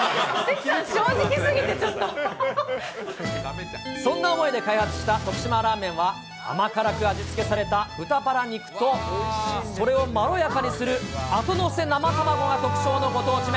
関さん、そんな思いで開発した徳島ラーメンは、甘辛く味付けされた豚バラ肉と、それをまろやかにするあとのせ生卵が特徴のご当地麺。